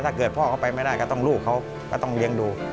ถ้าเกิดพ่อเขาไปไม่ได้ก็ต้องลูกเขาก็ต้องเลี้ยงดู